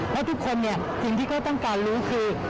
แล้วทุกคนนี่จริงที่จะต้องการรู้คือ